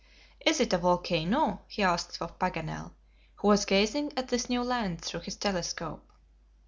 "Is it a volcano?" he asked of Paganel, who was gazing at this new land through his telescope.